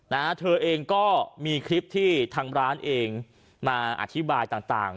นะฮะเธอเองก็มีคลิปที่ทางร้านเองมาอธิบายต่างต่าง